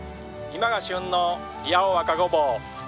今が旬の八尾若ごぼう